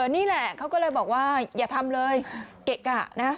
นี่แหละเขาก็เลยบอกว่าอย่าทำเลยเกะกะนะ